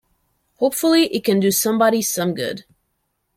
Hopefully, it can do somebody some good.